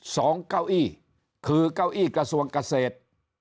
เก้าอี้คือเก้าอี้กระทรวงเกษตร